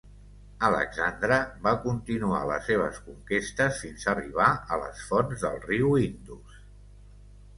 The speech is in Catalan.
Alexandre va continuar les seves conquestes fins a arribar a les fonts del riu Indus.